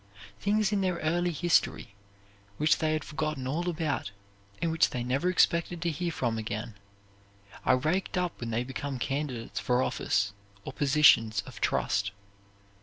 Things in their early history, which they had forgotten all about and which they never expected to hear from again, are raked up when they become candidates for office or positions of trust.